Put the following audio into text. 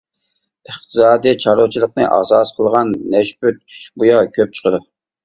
ئىقتىسادىي چارۋىچىلىقنى ئاساس قىلغان، نەشپۈت، چۈچۈكبۇيا كۆپ چىقىدۇ.